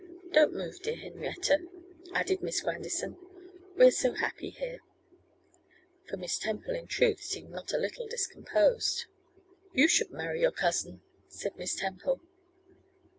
Don't move, dear Henrietta,' added Miss Grandison; 'we are so happy here;' for Miss Temple, in truth, seemed not a little discomposed. 'You should marry your cousin,' said Miss Temple.